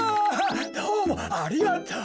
どうもありがとう。